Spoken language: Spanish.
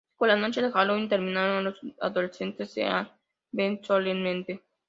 Con la noche de Halloween terminando, los adolescentes se van solemnemente.